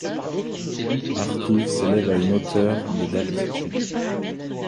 Hartouv s'élève à une hauteur de d'altitude.